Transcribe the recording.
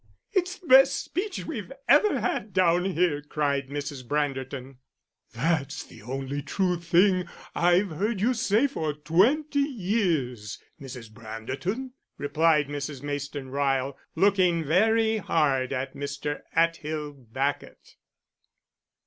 "It's the best speech we've ever had down here," cried Mrs. Branderton. "That's the only true thing I've heard you say for twenty years, Mrs. Branderton," replied Mrs. Mayston Ryle, looking very hard at Mr. Atthill Bacot.